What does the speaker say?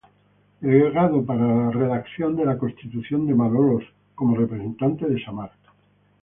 Delegado para la redacción de la Constitución de Malolos como representante de Samar.